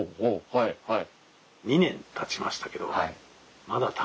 はいはい。